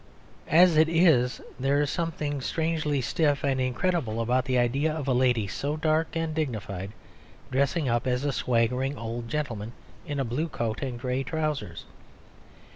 As it is, there is something strangely stiff and incredible about the idea of a lady so dark and dignified dressing up as a swaggering old gentleman in a blue coat and grey trousers.